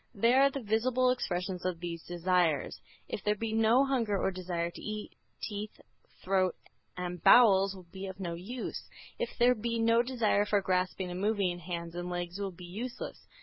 They are the visible expressions of these desires. If there be no hunger or desire to eat, teeth, throat and bowels will be of no use. If there be no desire for grasping and moving, hands and legs will be useless.